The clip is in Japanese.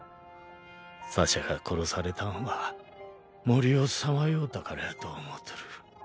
サシャが殺されたんは森を彷徨うたからやと思うとる。